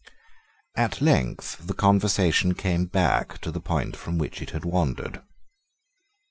At length the conversation came back to the point from which it had wandered.